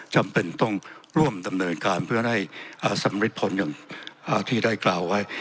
จำเป็นต้องร่วมดำเนินการเพื่อให้สำริดผลอย่างที่ได้กล่าวไว้